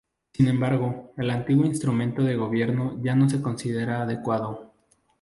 Sin embargo, el antiguo Instrumento de Gobierno ya no se considera adecuado.